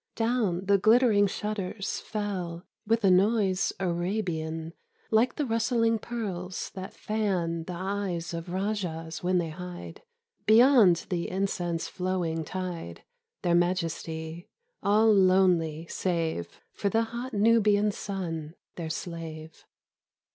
Down the glittering shutters fell With a noise Arabian Like the rustling pearls that fan The eyes of rajahs when they hide Beyond the incense flowing tide Their majesty, all lonely save For the hot Nubian sun, their slave.